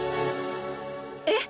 えっ？